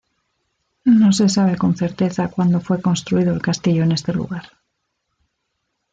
No se sabe con certeza cuándo fue construido el castillo en este lugar.